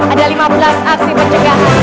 ada lima belas aksi pencegahan